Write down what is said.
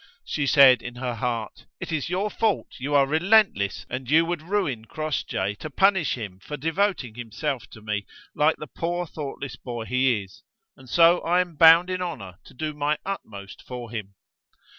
She said in her heart, "It is your fault: you are relentless and you would ruin Crossjay to punish him for devoting himself to me, like the poor thoughtless boy he is! and so I am bound in honour to do my utmost for him."